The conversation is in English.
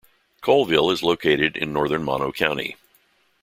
Coleville is located in northern Mono County.